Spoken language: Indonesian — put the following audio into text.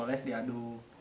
sambil dioles diaduk